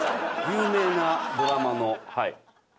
有名なドラマの。